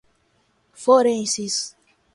forenses